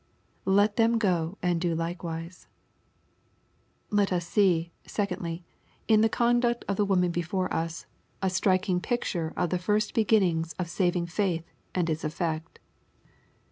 Let them go and do likewise. Let us see, secondly, in the conduct of the woman be« LUKE, CHAP VIII. 281 fore us, a striking picture of the first beginnings of saving faith and its effect.